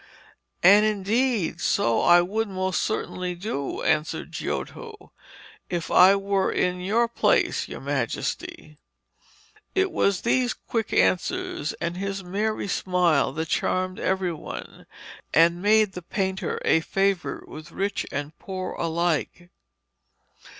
'And, indeed, so I would most certainly do,' answered Giotto, 'if I were in your place, your Majesty.' It was these quick answers and his merry smile that charmed every one, and made the painter a favourite with rich and poor alike.